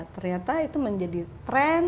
ternyata itu menjadi tren